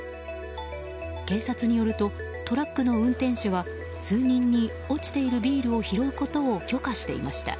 警察によるとトラックの運転手は数人に、落ちているビールを拾うことを許可していました。